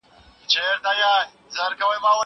کېدای سي انځور تاريک وي!